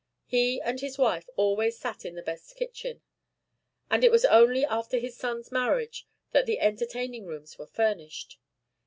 He and his wife always sat in the best kitchen; and it was only after his son's marriage that the entertaining rooms were furnished.